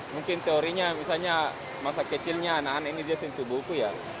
mungkin teorinya misalnya masa kecilnya anak anak ini dia sentuh buku ya